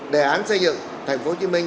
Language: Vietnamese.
đề án xây dựng thành phố hồ chí minh